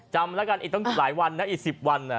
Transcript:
จำแล้วกันอีกตั้งหลายวันนะอีก๑๐วัน